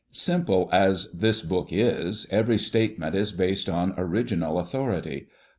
Simple as this book is, every statement is based on original authority.